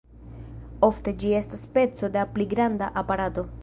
Ofte, ĝi estas peco da pli granda aparato.